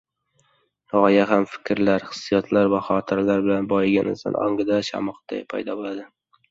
Gʻoya ham fikrlar, hissiyotlar va xotiralar bilan boyigan inson ongida chaqmoqday paydo boʻladi.